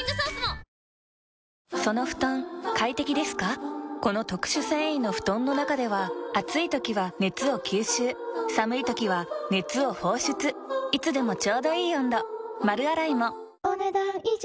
ニューアクアレーベルオールインワンこの特殊繊維の布団の中では暑い時は熱を吸収寒い時は熱を放出いつでもちょうどいい温度丸洗いもお、ねだん以上。